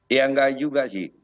ya enggak juga sih